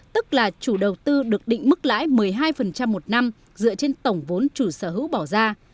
tức là chủ đầu tư được định mức lãi một mươi hai một năm dựa trên tổng vốn chủ sở hữu bỏ ra